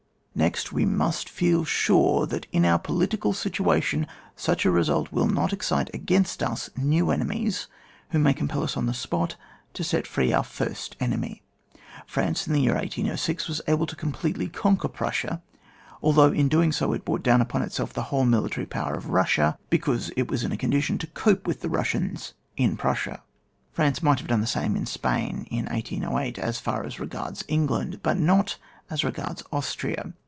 Next, we must feel sure that in our political situation, such a result will not excite against us new enemies, who may compel us on the spot to set free our first enemy. France, in the year 1806, was able completely to conquer Prussia, although in doing so it brought down upon itself the whole military power of Bussia, be cause it was in a condition to cope with the Russians in Prussia. CHAP. IV.] JSNJyS IN WAR MORE PRECISEL T DEFINED. 69 France might have* done the same in Spain in 1808 as far as regards England, but not as regards Austria.